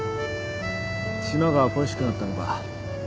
島が恋しくなったのか？